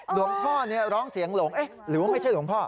หลวงพ่อนี้ร้องเสียงหลงหรือว่าไม่ใช่หลวงพ่อ